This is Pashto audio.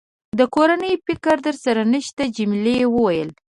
د کورنۍ فکر در سره نشته؟ جميلې وويل:.